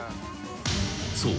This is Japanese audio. ［そう。